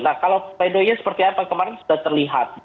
nah kalau play doi seperti apa kemarin sudah terlihat